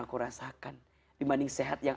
aku rasakan dibanding sehat yang